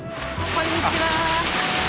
こんにちは。